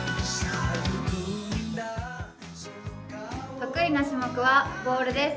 得意な種目はボールです。